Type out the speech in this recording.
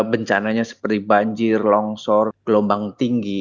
bencananya seperti banjir longsor gelombang tinggi